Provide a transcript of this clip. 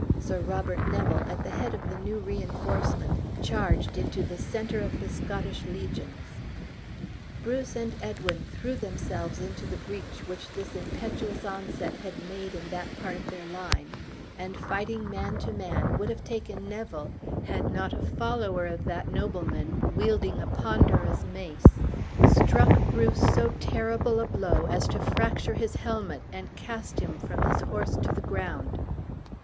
Sir Robert Neville, at the head of the new reinforcement, charged into the center of the Scottish legions. Bruce and Edwin threw themselves into the breach which this impetuous onset had made in that part of their line, and fighting man to man, would have taken Neville, had not a follower of that nobleman, wielding a ponderous mace, struck Bruce so terrible a blow, as to fracture his helmet, and cast him from his horse to the ground.